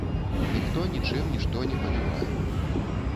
Ніхто нічым нішто не палівае.